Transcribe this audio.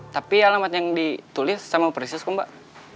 tapi alamat yang ditulis sama prinsipku mbak